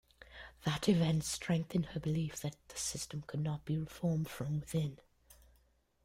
That event strengthened her belief that the system could not be reformed from within.